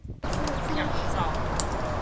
避走